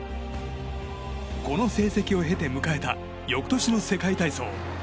この成績を経て翌２０１５年の世界体操。